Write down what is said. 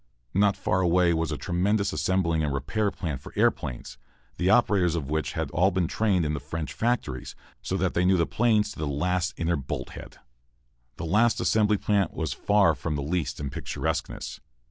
Not far away was a tremendous assembling and repair plant for airplanes, the operators of which had all been trained in the French factories, so that they knew the planes to the last inner bolthead. The last assembly plant was far from least in picturesqueness.